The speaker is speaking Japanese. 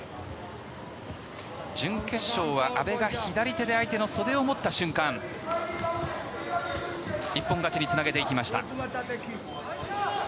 準決勝は、阿部が左手で相手の袖を持った瞬間一本勝ちにつなげていきました。